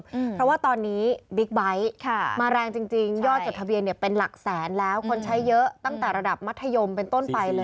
เพราะว่าตอนนี้บิ๊กไบท์ค่ะมาแรงจริงจริงยอดจดทะเบียนเนี่ยเป็นหลักแสนแล้วคนใช้เยอะตั้งแต่ระดับมัธยมเป็นต้นไปเลย